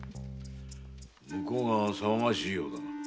向こうが騒がしいようだが？